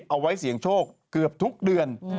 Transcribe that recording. เอาไว้เสี่ยงโชคเกือบทุกเดือน